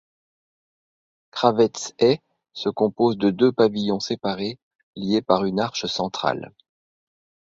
Kravets et se compose de deux pavillons séparés, liés par une arche centrale.